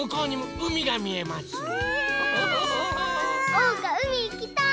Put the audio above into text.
おうかうみいきたい！